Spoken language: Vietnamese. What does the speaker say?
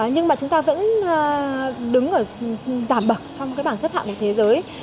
nhưng mà chúng ta vẫn đứng ở giảm bậc trong cái bảng xếp hạng của thế giới